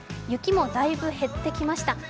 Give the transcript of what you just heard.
雪もだいぶ減ってきました。